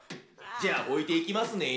じゃあおいていきますねえ。